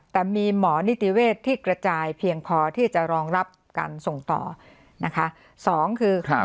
แต่มีหมอนิติเวศที่กระจายเพียงพอที่จะรองรับการส่งต่อนะคะสองคือครับ